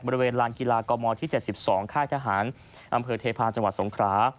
บริเวณลานกีฬากมที่๗๒ค่ายทหารอำเภอเทพาะจังหวัดสงครา